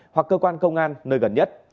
hoặc cơ quan công an nơi gần nhất